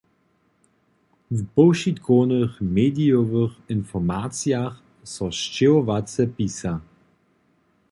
W powšitkownych medijowych informacijach so sćěhowace pisa.